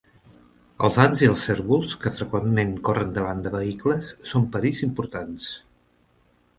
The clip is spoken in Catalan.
Els ants i els cérvols que freqüentment corren davant de vehicles són perills importants.